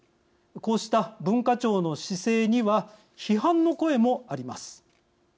こうした文化庁の姿勢には批判の声もあります。